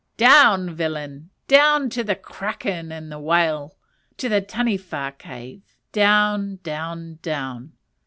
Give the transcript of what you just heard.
Down, villain! down to the kraken and the whale, to the Taniwha cave! down! down! down!